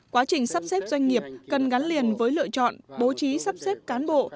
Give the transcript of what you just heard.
quá trình sắp xếp doanh nghiệp cần gắn liền với lựa chọn bố trí sắp xếp cán bộ